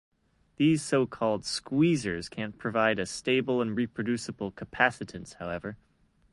These so-called "squeezers" can't provide a stable and reproducible capacitance, however.